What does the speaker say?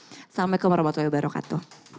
assalamualaikum warahmatullahi wabarakatuh